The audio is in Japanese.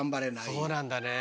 そうなんだね。